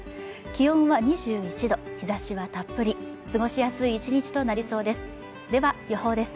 気温は２１度日差しはたっぷり過ごしやすい１日となりそうですでは予報です